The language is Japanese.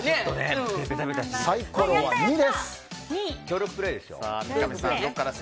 サイコロは２です。